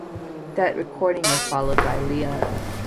That recording was followed by Lea...